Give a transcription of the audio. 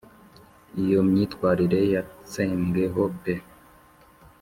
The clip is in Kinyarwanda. iyo myitwarire yatsembweho pe.